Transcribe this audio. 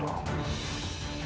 aku sudah tahu hal ini lebih dulu